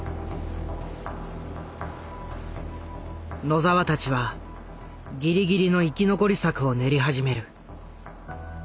野澤たちはギリギリの生き残り策を練り始める。